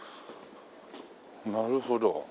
なるほど。